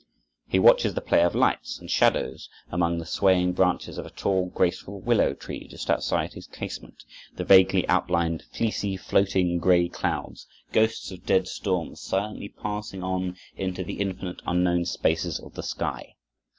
He watches the play of lights and shadows among the swaying branches of a tall, graceful willow tree just outside his casement, the vaguely outlined, fleecy, floating gray clouds, ghosts of dead storms, silently passing on into the infinite unknown spaces of the sky.